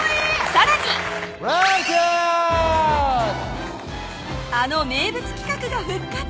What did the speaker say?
さらにあの名物企画が復活！